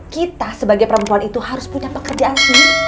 kita sebagai perempuan itu harus punya pekerjaan sendiri